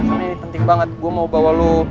karena ini penting banget gua mau bawa lu